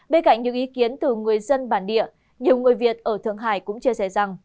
bên cạnh những ý kiến từ người dân bản địa nhiều người việt ở thượng hải cũng chia sẻ rằng